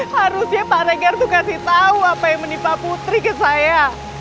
harusnya pak regar tuh kasih tau apa yang menipa putri ke saya